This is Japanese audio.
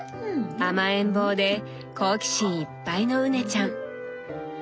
甘えん坊で好奇心いっぱいの羽根ちゃん。